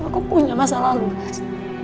aku punya masa lalu